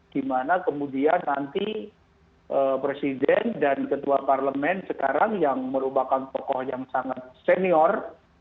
dimana kemudian nanti presiden dan ketua parlemen sekarang yang merupakan tokoh yang sangat senior